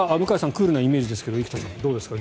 クールなイメージですが生田さん、どうですか？